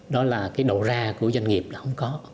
đó là cái đầu ra của doanh nghiệp là không có